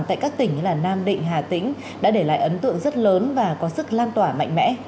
tại các tỉnh như nam định hà tĩnh đã để lại ấn tượng rất lớn và có sức lan tỏa mạnh mẽ